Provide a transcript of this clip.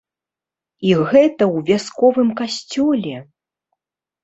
І гэта ў вясковым касцёле!